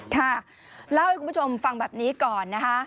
ค่ะเล่าให้คุณผู้ชมฟังแบบนี้ก่อนนะคะ